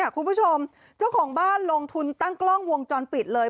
คุณผู้ชมเจ้าของบ้านลงทุนตั้งกล้องวงจรปิดเลย